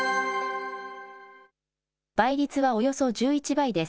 倍率はおよそ１１倍です。